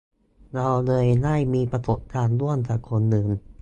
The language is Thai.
เราเลยได้มีประสบการณ์ร่วมกับคนอื่น